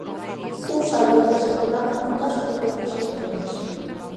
Un salto á empresa privada nun caso de portas xiratorias.